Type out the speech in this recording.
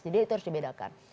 jadi itu harus dibedakan